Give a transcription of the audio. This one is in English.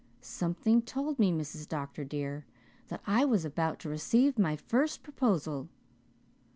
Something told me, Mrs. Dr. dear, that I was about to receive my first proposal.